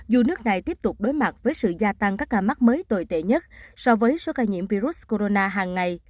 dù nước này tiếp tục đối mặt với sự gia tăng các ca mắc mới tồi tệ nhất so với số ca nhiễm virus corona hàng ngày